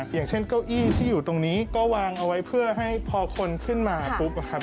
อย่างเช่นเก้าอี้ที่อยู่ตรงนี้ก็วางเอาไว้เพื่อให้พอคนขึ้นมาปุ๊บครับ